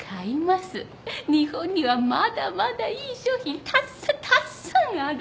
日本にはまだまだいい商品たっさんたっさんある。